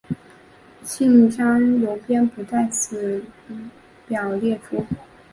信箱邮编不在此表列出。